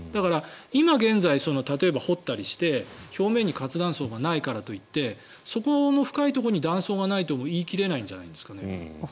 だから、今現在例えば掘ったりして表面に活断層がないからといってそこの深いところに断層がないとも言い切れないんじゃないですかね？